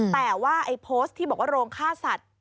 แต่ว่าไอ้โพสต์ที่บอกว่าโรงฆ่าสัตว์